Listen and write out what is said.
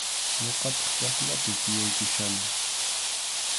Ñuqataq kaqllapi tiyaykuchkani.